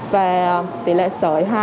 và tỷ lệ sởi hai